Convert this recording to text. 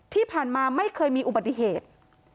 ที่ผ่านมาไม่เคยมีอุบัติเหตุ